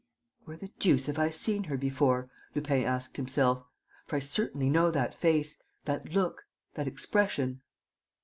"Where the deuce have I seen her before?" Lupin asked himself. "For I certainly know that face, that look, that expression."